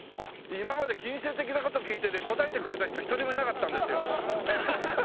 今まで金銭的な事聞いてね答えてくれた人一人もいなかったんですよ。